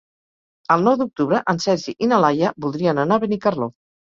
El nou d'octubre en Sergi i na Laia voldrien anar a Benicarló.